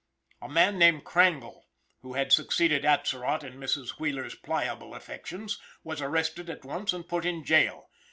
A man named Crangle who had succeeded Atzerott in Mrs. Wheeler's pliable affections, was arrested at once and put in jail.